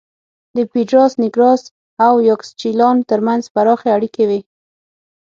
د پېډراس نېګراس او یاکسچیلان ترمنځ پراخې اړیکې وې